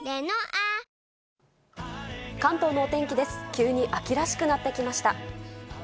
急に秋らしくなってきました。